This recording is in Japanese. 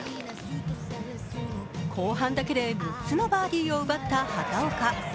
後半だけで６つのバーディーを奪った畑岡。